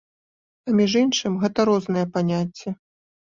А між іншым, гэта розныя паняцці.